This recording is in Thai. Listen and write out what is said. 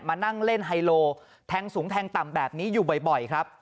มานั่งเล่นไฮโลแทงสูงแทงต่ำแบบนี้อยู่บ่อยครับ